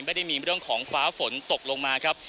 ไม่ได้มีเรื่องของฟ้าฝนตกลงมาครับ